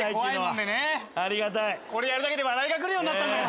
これやるだけで笑いが来るようになったんだもん。